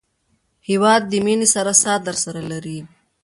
هېواد د مینې هره ساه درسره لري.